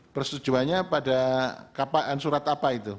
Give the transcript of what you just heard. persetujuannya pada kapan surat apa itu